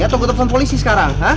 atau gue telfon polisi sekarang